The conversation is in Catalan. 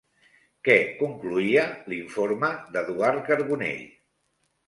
Què concloïa l'informe d'Eduard Carbonell?